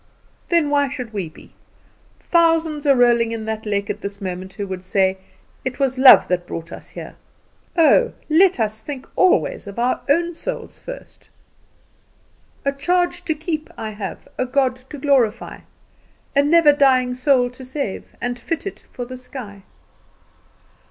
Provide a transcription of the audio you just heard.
Then why should we be? Thousands are rolling in that lake at this moment who would say, 'It was love that brought us here.' Oh, let us think always of our own souls first. "'A charge to keep I have, A God to glorify; A never dying soul to save, And fit it for the sky.